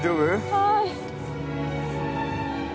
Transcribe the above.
はい。